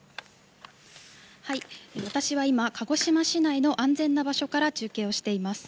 私は今鹿児島市内の安全な場所から中継をしています。